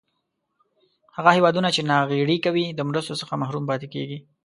هغه هېوادونه چې ناغیړي کوي د مرستو څخه محروم پاتې کیږي.